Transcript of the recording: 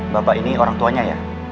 bapak ini orang tuanya ya